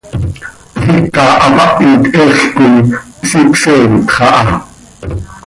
Xiica hapahit heexl coi hsicseenpx aha.